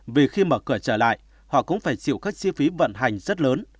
vì khi mở cửa trở lại họ cũng phải chịu các chi phí vận hành rất lớn